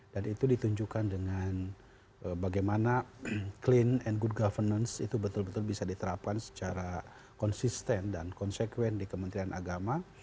dan itu ditunjukkan dengan bagaimana clean and good governance itu betul betul bisa diterapkan secara konsisten dan konsekuen di kementerian agama